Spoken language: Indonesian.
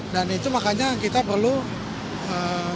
dan itu makanya kita perlu mencari